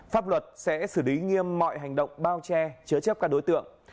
pháp luật sẽ xử lý nghiêm mọi hành động bao che chứa chấp các đối tượng